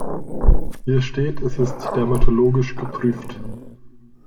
Hier steht, es ist dermatologisch geprüft.